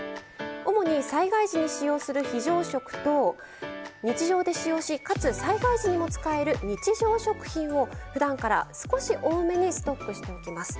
主に災害時に使用する非常食と日常で使用しかつ災害時にも使える日常食品をふだんから少し多めにストックしておきます。